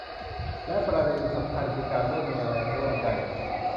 และประเด็นสำคัญคือการร่วมแรงร่วมใจ